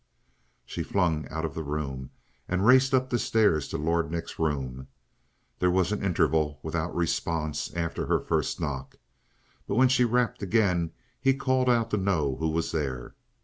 She flung out of the room and raced up the stairs to Lord Nick's room. There was an interval without response after her first knock. But when she rapped again he called out to know who was there.